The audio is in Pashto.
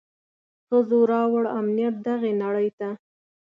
ښځو راووړ امنيت دغي نړۍ ته.